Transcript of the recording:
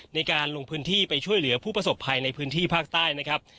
ในการลงพื้นที่ไปช่วยเหลือผู้ประสบภัยในพื้นที่ภาคใต้นะครับ